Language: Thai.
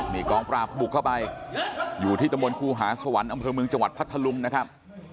นี่กองปราบบุกเข้าไปอยู่ที่ตะบนครูหาสวรรค์อำเภอเมืองจังหวัดพัทธลุงนะครับ